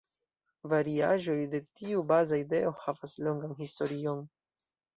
Variaĵoj de tiu baza ideo havas longan historion.